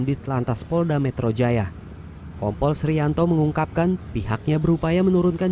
di telantas polda metro jaya kompol srianto mengungkapkan pihaknya berupaya menurunkan